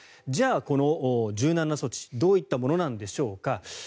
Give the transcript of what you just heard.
じゃあ、この柔軟な措置どういったものなんでしょう。